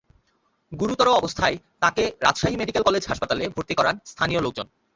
গুরুতর অবস্থায় তাঁকে রাজশাহী মেডিকেল কলেজ হাসপাতালে ভর্তি করান স্থানীয় লোকজন।